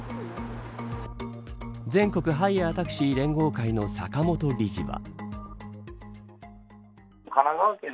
全国ハイヤー・タクシー連合会の坂本理事は。